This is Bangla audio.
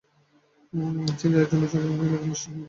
তিনি ছিলেন একজন উচ্চাকাঙ্ক্ষী ও সুযোগসন্ধানী একনিষ্ঠ বিপ্লবী।